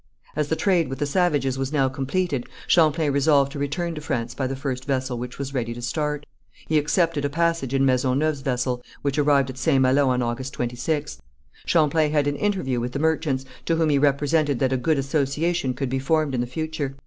As the trade with the savages was now completed, Champlain resolved to return to France by the first vessel which was ready to start. He accepted a passage in Maisonneuve's vessel, which arrived at St. Malo on August 26th. Champlain had an interview with the merchants, to whom he represented that a good association could be formed in the future.